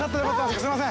すいません。